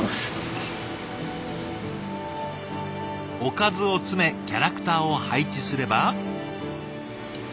おかずを詰めキャラクターを配置すれば。